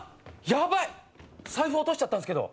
ヤバい！財布落としちゃったんすけど。